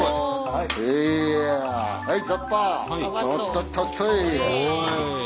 はい！